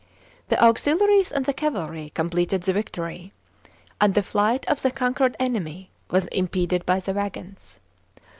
The auxiliaries and the cavalry com pleted the victory, and the flight of the conquered enemy was impeded by the waggons.